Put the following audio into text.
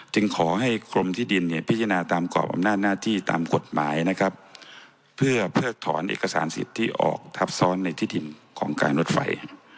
ขอให้กรมที่ดินเนี่ยพิจารณาตามกรอบอำนาจหน้าที่ตามกฎหมายนะครับเพื่อเพิกถอนเอกสารสิทธิ์ที่ออกทับซ้อนในที่ดินของการรถไฟ